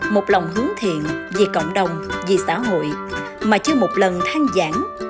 một lòng hướng thiện vì cộng đồng vì xã hội mà chưa một lần thang giảng